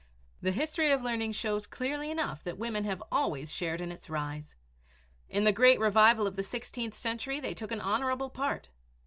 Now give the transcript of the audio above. The history of learning shows clearly enough that women have always shared in its rise. In the great revival of the sixteenth century they took an honorable part.